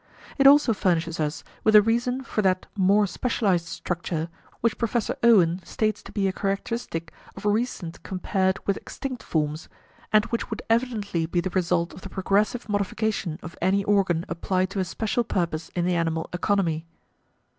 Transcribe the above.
It also furnishes us with a reason for that "more specialized structure" which Professor Owen states to be a characteristic of recent compared with extinct forms, and which would evidently be the result of the progressive modification of any organ applied to a special purpose in the animal economy.